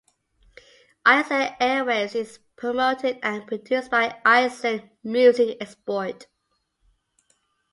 Iceland Airwaves is promoted and produced by Iceland Music Export.